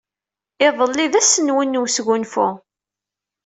Iḍelli d ass-nwen n wesgunfu.